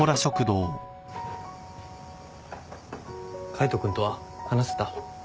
海斗君とは話せた？